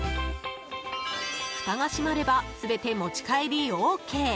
ふたが閉まれば全て持ち帰りＯＫ。